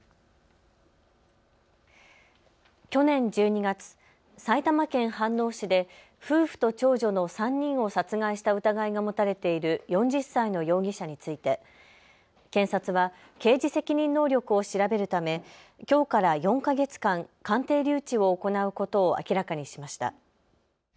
去年１２月、埼玉県飯能市で夫婦と長女の３人を殺害した疑いが持たれている４０歳の容疑者について検察は刑事責任能力を調べるためきょうから４か月間、鑑定留置を行うことを明らかにしました。